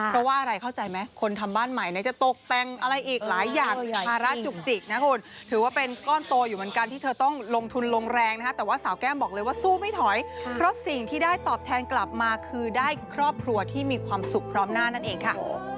เพราะว่าอะไรเข้าใจไหมคนทำบ้านใหม่จะตกแต่งอะไรอีกหลายอย่างภาระจุกจิกนะคุณถือว่าเป็นก้อนโตอยู่เหมือนกันที่เธอต้องลงทุนลงแรงนะฮะแต่ว่าสาวแก้มบอกเลยว่าสู้ไม่ถอยเพราะสิ่งที่ได้ตอบแทนกลับมาคือได้ครอบครัวที่มีความสุขพร้อมหน้านั่นเองค่ะ